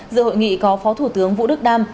giữa hội nghị có phó thủ tướng vũ đức đam